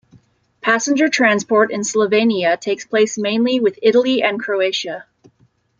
Passenger transport in Slovenia takes place mainly with Italy and Croatia.